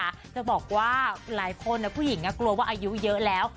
จะบอกว่าหลายคนผู้หญิงกลัวว่าอายุเยอะแล้ว